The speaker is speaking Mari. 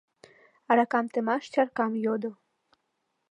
Аракам темаш чаркам йодо...